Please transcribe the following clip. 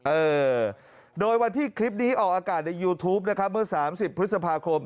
เออโดยวันที่คลิปนี้ออกอากาศในยูทูปนะครับเมื่อ๓๐พฤษภาคม